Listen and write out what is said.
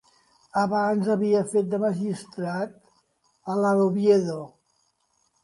Abans havia fet de magistrat a la d'Oviedo.